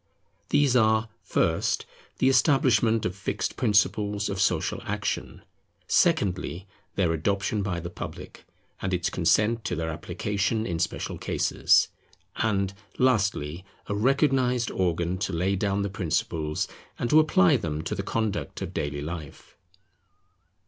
These are, first, the establishment of fixed principles of social action; secondly, their adoption by the public, and its consent to their application in special cases; and, lastly, a recognized organ to lay down the principles, and to apply them to the conduct of daily life.